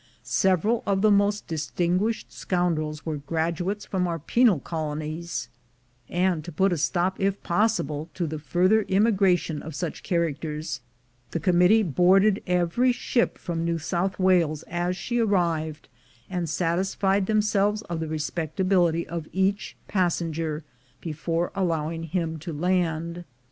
Several of the most dis tinguished scoundrels were graduates from our penal colonies; and to put a stop, if possible, to the further immigration of such characters, the Committee boarded every ship from New South Wales as she arrived, and satisfied themselves of the respectability of each pas senger before allowing him to land.